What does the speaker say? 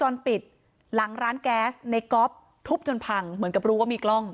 ในก๊อปทุบจนพังเหมือนกับรู้ว่ามีกล้อง